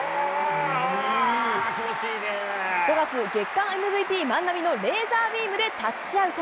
５月、月間ＭＶＰ・万波のレーザービームでタッチアウト。